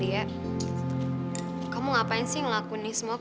lihat hai kamu ngapain sih ngelakuin nih semua ke aku